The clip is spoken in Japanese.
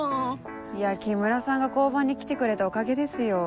いや木村さんが交番に来てくれたおかげですよ。